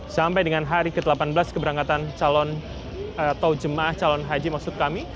sampai dengan hari ke delapan belas keberangkatan calon atau jemaah calon haji maksud kami